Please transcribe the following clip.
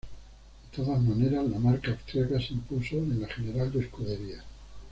De todas maneras, la marca austríaca se impuso en la general de escuderías.